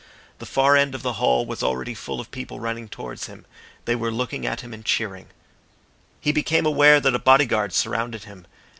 The far end of the hall was already full of people running towards him. They were looking at him and cheering. He became aware that a bodyguard surrounded him.